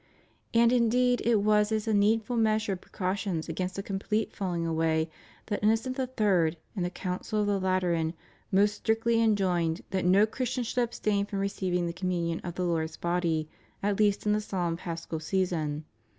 And indeed it was as a needful measure of precaution against a complete falUng away that Innocent III., in the Council of the Lateran, most strictly enjoined that no Christian should abstain from receiving the communion of the Lord's body at least in the solemn paschal season.